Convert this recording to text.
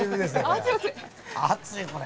熱いこれ。